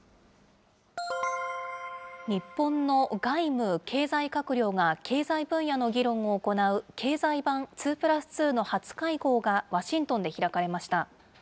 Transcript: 日本の外務、経済閣僚が経済分野の議論を行う経済版２プラス２の初会合がワシントンで開かれました。